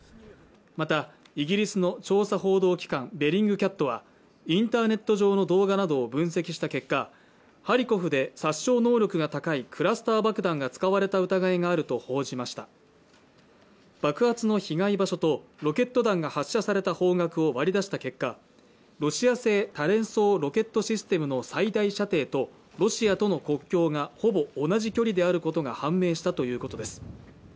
またイギリスの調査報道機関ベリングキャットはインターネット上の動画などを分析した結果ハリコフで殺傷能力が高いクラスター爆弾が使われた疑いがあると報じました爆発の被害場所とロケット弾が発射された方角を割り出した結果ロシア製多連装ロケットシステムの最大射程とロシアとの国境がほぼ同じ距離であることが判明したということです